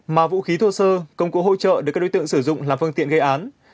mà vũ khí thô sơ công cụ hỗ trợ được các đối tượng sử dụng là phương tiện gây án